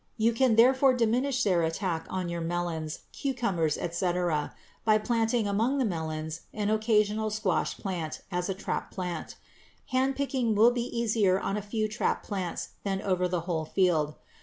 You can therefore diminish their attack on your melons, cucumbers, etc. by planting among the melons an occasional squash plant as a "trap plant." Hand picking will be easier on a few trap plants than over the whole field.